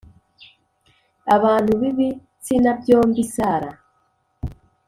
abantu b ibitsina byombi Sarah